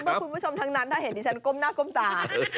เพื่อคุณผู้ชมทั้งนั้นถ้าเห็นดิฉันก้มหน้าก้มตา